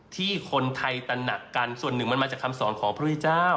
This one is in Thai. ที่คนไทยตระหนักกันส่วนหนึ่งมันมาจากคำสอนของพระพุทธเจ้า